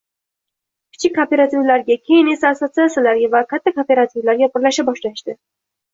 kichik kooperativlarga, keyin esa assotsiatsiyalarga va katta kooperativlarga birlasha boshlashdi.